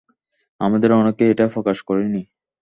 আমাদের অনেকেই এটা প্রকাশ করি না।